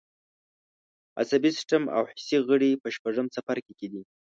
عصبي سیستم او حسي غړي په شپږم څپرکي کې دي.